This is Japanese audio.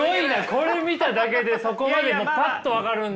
これ見ただけでそこまでもうパッと分かるんだ。